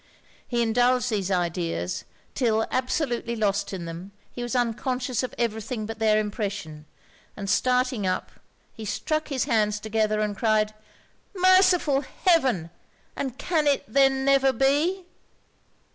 He indulged these ideas, 'till absolutely lost in them, he was unconscious of every thing but their impression, and starting up, he struck his hands together and cried 'Merciful heaven! and can it then never be?'